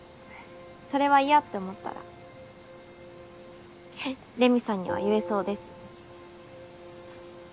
それは嫌って思ったらははっレミさんには言えそうです。